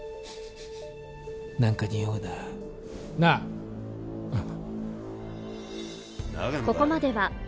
何かにおうななあうん